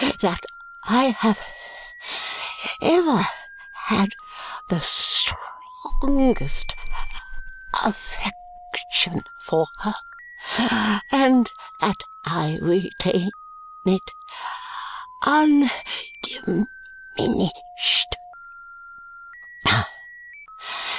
That I have ever had the strongest affection for her, and that I retain it undiminished.